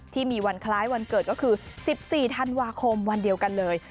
ที่มีวันคล้ายวันเกิดก็คือ๑๔ธันวาคมวันเดียวกันเลย